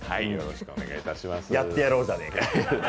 やってやろうじゃねぇか。